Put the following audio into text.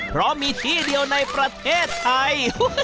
เพราะมีที่เดียวในประเทศไทย